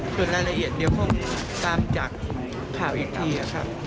ส่วนรายละเอียดเดี๋ยวคงตามจากข่าวอีกทีครับ